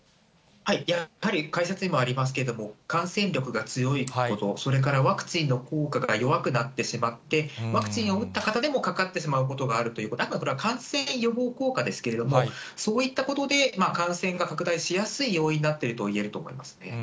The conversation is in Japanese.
やっぱり解説にもありますけれども、感染力が強いこと、それからワクチンの効果が弱くなってしまって、ワクチンを打った方でもかかってしまうことがあるということ、あとは感染予防効果ですけれども、そういったことで、感染が拡大しやすい要因になっているといえると思いますね。